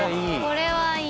これはいい。